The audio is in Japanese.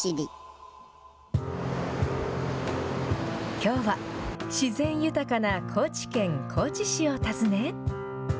きょうは、自然豊かな高知県高知市を訪ね。